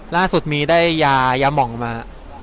ล่าสุดมีได้ยายาหมองมา